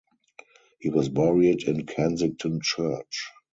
He was buried in Kensington Church.